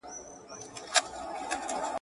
خپل وېښته وینم پنبه غوندي ځلیږي!